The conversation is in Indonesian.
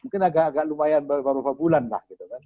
mungkin agak agak lumayan beberapa bulan lah gitu kan